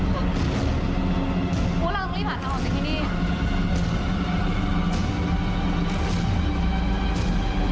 พวกเราเริ่มผ่านทางออกจากนี้ดิ